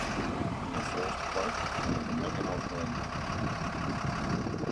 Yn it foarste plak binne der net genôch oanmeldings.